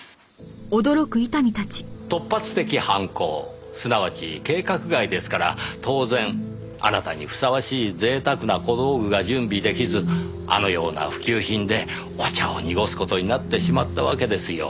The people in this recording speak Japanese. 突発的犯行すなわち計画外ですから当然あなたにふさわしい贅沢な小道具が準備出来ずあのような普及品でお茶を濁す事になってしまったわけですよ。